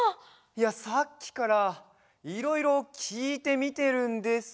いやさっきからいろいろきいてみてるんですが。